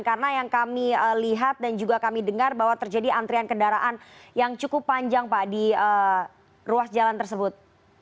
karena yang kami lihat dan juga kami dengar bahwa terjadi antrian kendaraan yang cukup panjang pak di ruas jalan tersebut